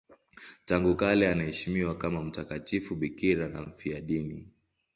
Tangu kale anaheshimiwa kama mtakatifu bikira na mfiadini.